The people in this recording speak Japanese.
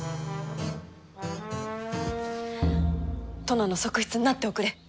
殿の側室になっておくれ。